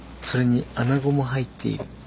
それに穴子も入っている。